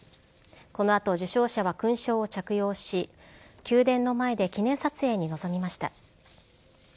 このあと、受章者は勲章を着用し、宮殿の前で記念撮影に臨みました。